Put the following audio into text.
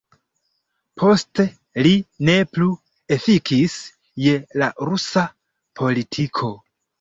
Poste li ne plu efikis je la rusa politiko.